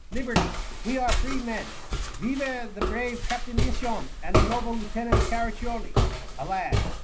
Liberty! We are free men! Vive the brave Captain Misson and the noble Lieutenant Caraccioli!" Alas!